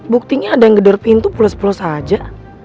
buktinya ada yang ngederpin tuh pulus pulus aja